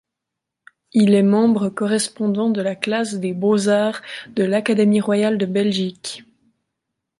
Il est membre correspondant de la classe des Beaux-Arts de l'Académie royale de Belgique.